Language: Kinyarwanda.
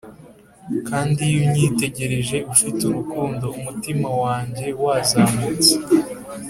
kandi iyo unyitegereje ufite urukundo, umutima wanjye wazamutse.